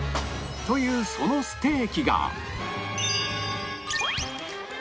というそのステーキが